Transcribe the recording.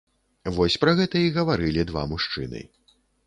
Вось пра гэта і гаварылі два мужчыны.